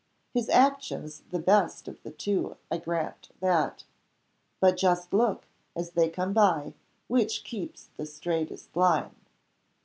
His action's the best of the two; I grant that. But just look, as they come by, which keeps the straightest line.